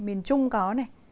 miền trung có này